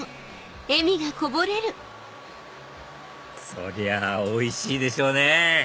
そりゃあおいしいでしょうね